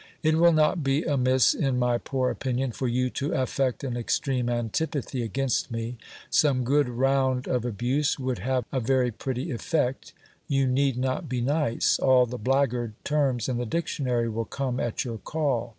It will not be amiss, in my poor opinion, for you to affect an extreme antipathy against me : some good round of abuse would have a very pretty effect ; you need not be nice ; all the blackguard terms in the dictionary will come at your call.